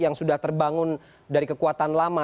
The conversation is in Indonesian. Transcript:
yang sudah terbangun dari kekuatan lama